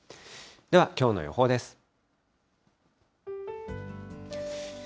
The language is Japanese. ではきょうの予報です。